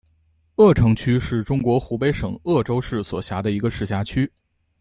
鄂城区是中国湖北省鄂州市所辖的一个市辖区。